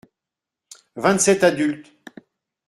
Vingt-sept adultes.